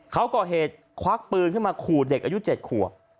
เขาก่อเหตุควักปืนขึ้นมาขู่เด็กอายุ๗ขวบ